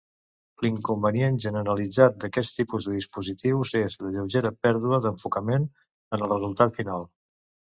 L'inconvenient generalitzat d'aquest tipus de dispositius és la lleugera pèrdua d'enfocament en el resultat final.